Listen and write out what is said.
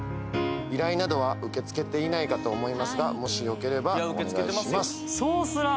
依頼などは受け付けていないかと思いますがもしよければお願いします